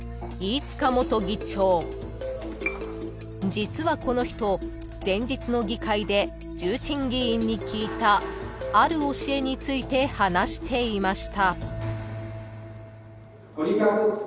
［実はこの人前日の議会で重鎮議員に聞いたある教えについて話していました］